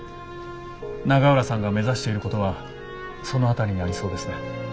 永浦さんが目指していることはその辺りにありそうですね。